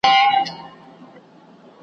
چي نه رقیب نه محتسب وي نه قاضي د محل .